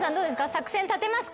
作戦立てますか？